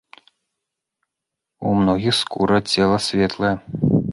У многіх скура цела светлая.